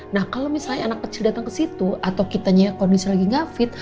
nah kalau misalnya anak kecil datang kesitu atau kita kondisi lagi gak fit